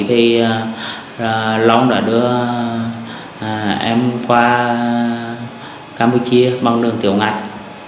thì long đã đưa em qua campuchia bằng đường tiểu ngạch